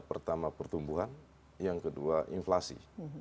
pertama pertumbuhan yang kedua inflasi